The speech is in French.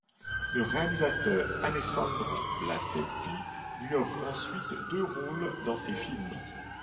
Le réalisateur Alessandro Blasetti lui offre ensuite deux rôles dans ces films.